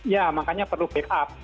ya makanya perlu backup